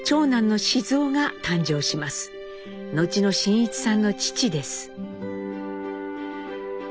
後の真一さんの父です。